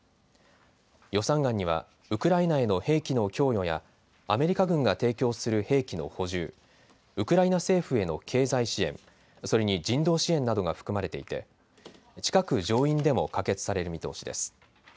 予算案にはウクライナへの兵器の供与やアメリカ軍が提供する兵器の補充、ウクライナ政府への経済支援、それに人道支援などが含まれていて近く上院でも可決される見通しです。